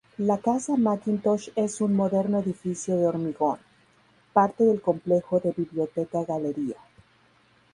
La Casa Mackintosh es un moderno edificio de hormigón, parte del complejo de biblioteca-galería.